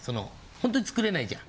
ホントに作れないじゃん。